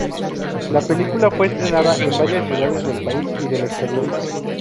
La película fue estrenada en varias ciudades del país y del exterior.